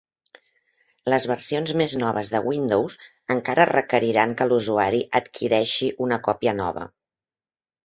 Les versions més noves de Windows encara requeriran que l'usuari adquireixi una còpia nova.